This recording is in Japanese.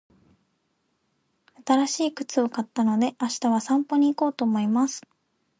新しい靴を買ったので、明日は散歩に行こうと思います。